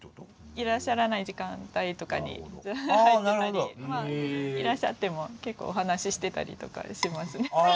いらっしゃらない時間帯とかに入ってたりいらっしゃっても結構お話ししてたりとかしますね。